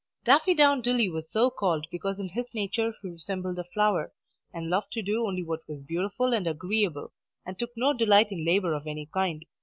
Daffydowndilly was so called because in his nature he resembled a flower, and loved to do only what was beautiful and agreeable, and took no delight in labour of any kind.